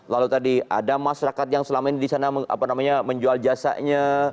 lalu tadi ada masyarakat yang selama ini di sana menjual jasanya